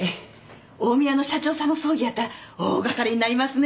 近江屋の社長さんの葬儀やったら大掛かりになりますね。